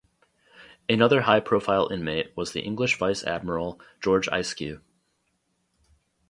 Another high-profile inmate was the English Vice-Admiral George Ayscue.